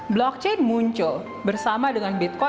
blockchain muncul bersama dengan bitcoin